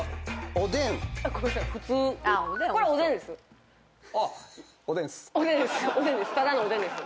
「おでんっす」